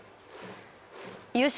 優勝